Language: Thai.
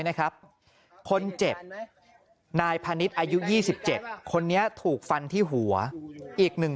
นะครับคนเจ็บนายพาณิชย์อายุ๒๗คนนี้ถูกฟันที่หัวอีก๑